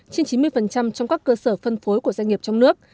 trên chín mươi trong các cơ sở phân phối của doanh nghiệp trong nước